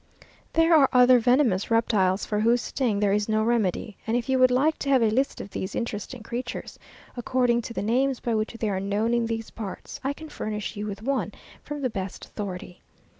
There are other venomous reptiles, for whose sting there is no remedy, and if you would like to have a list of these interesting creatures, according to the names by which they are known in these parts, I can furnish you with one from the best authority.